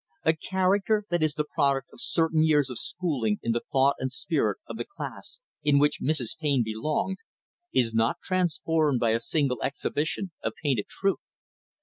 A character that is the product of certain years of schooling in the thought and spirit of the class in which Mrs. Taine belonged, is not transformed by a single exhibition of painted truth.